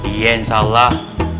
iya insya allah